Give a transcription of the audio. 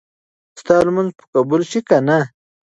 ستا لمونځ به قبول شي که نه؟